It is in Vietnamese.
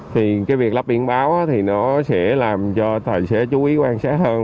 thì cái việc lắp biển báo thì nó sẽ làm cho tài xế chú ý quan sát hơn